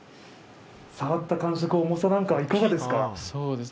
触った感触、重さなんかはいかがですか。